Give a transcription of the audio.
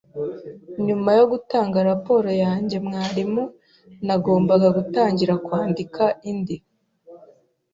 Nyuma yo gutanga raporo yanjye mwarimu, nagombaga gutangira kwandika indi.